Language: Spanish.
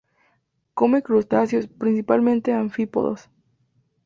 Come crustáceos, principalmente anfípodos.